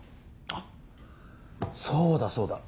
あっそうだそうだ。